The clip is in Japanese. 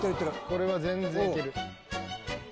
これは全然いける。